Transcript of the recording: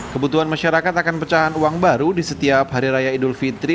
kebutuhan masyarakat akan pecahan uang baru di setiap hari raya idul fitri